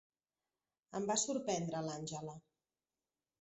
Em va sorprendre l'Angela.